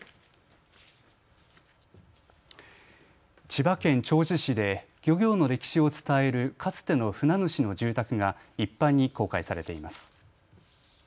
千葉県銚子市で漁業の歴史を伝えるかつての船主の住宅が一般に公開されています。